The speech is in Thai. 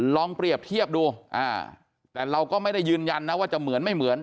ลองเปรียบเทียบดูอ่าแต่เราก็ไม่ได้ยืนยันนะว่าจะเหมือนไม่เหมือน